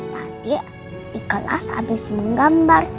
tadi di kelas abis menggambar